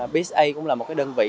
bsa cũng là một đơn vị